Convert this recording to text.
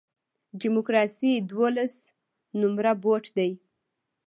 ډیموکراسي دولس نمره بوټ دی.